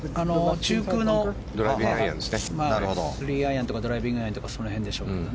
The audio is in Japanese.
中空の３アイアンとかドライビングアイアンとかその辺でしょうけどね。